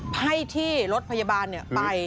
ให้ที่รถพยาบาลไป